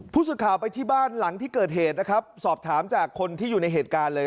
ผู้สื่อข่าวไปที่บ้านหลังที่เกิดเหตุนะครับสอบถามจากคนที่อยู่ในเหตุการณ์เลย